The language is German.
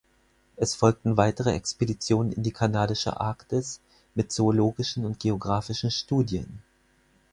Es folgten weitere Expeditionen in die kanadische Arktis mit zoologischen und geografischen Studien.